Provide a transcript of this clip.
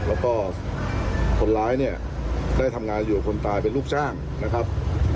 แล้วก็คนร้ายเนี่ยได้ทำงานอยู่กับคนตายเป็นลูกจ้างนะครับ